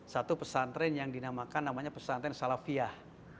satu pesantren yang dinamakan namanya pesantren salafiyah